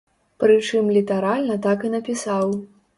Прычым літаральна так і напісаў.